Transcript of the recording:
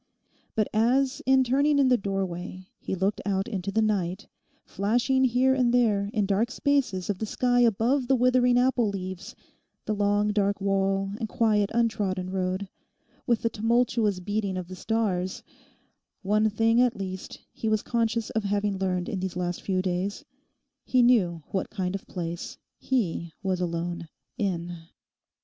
But as in turning in the doorway, he looked out into the night, flashing here and there in dark spaces of the sky above the withering apple leaves—the long dark wall and quiet untrodden road—with the tumultuous beating of the stars—one thing at least he was conscious of having learned in these last few days: he knew what kind of a place he was alone in.